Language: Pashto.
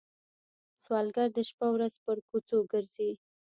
سوالګر د شپه ورځ پر کوڅو ګرځي